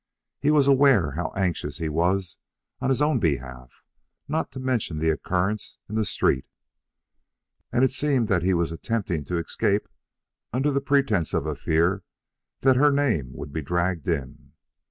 He was aware how anxious he was on his own behalf not to mention the occurrence in the street, and it seemed that he was attempting to escape under the pretence of a fear that her name would be dragged in.